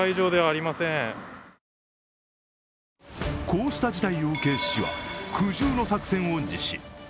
こうした事態を受け、市は苦渋の作戦を実施。